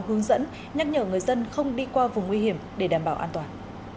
hướng dẫn nhắc nhở người dân không đi qua vùng nguy hiểm để đảm bảo an toàn